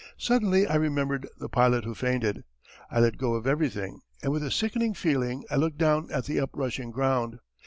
Suddenly I remembered the pilot who fainted. I let go of everything, and with a sickening feeling I looked down at the up rushing ground.